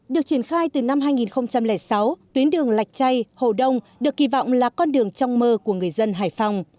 được triển khai từ năm hai nghìn sáu tuyến đường lạch chay hồ đông được kỳ vọng là con đường trong mơ của người dân hải phòng